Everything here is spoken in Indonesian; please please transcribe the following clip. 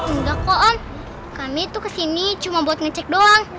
udah kok om kami tuh kesini cuma buat ngecek doang